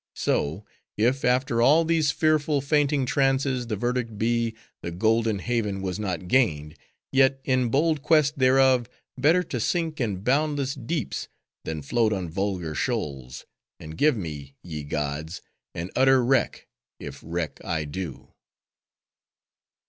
So, if after all these fearful, fainting trances, the verdict be, the golden haven was not gained;—yet, in bold quest thereof, better to sink in boundless deeps, than float on vulgar shoals; and give me, ye gods, an utter wreck, if wreck I do.